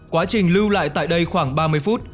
quá trình lưu lại tại đây khoảng ba mươi phút